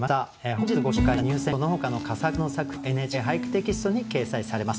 本日ご紹介した入選句とそのほかの佳作の作品は「ＮＨＫ俳句」テキストに掲載されます。